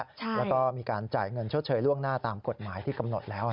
แล้วก็มีการจ่ายเงินชดเชยล่วงหน้าตามกฎหมายที่กำหนดแล้ว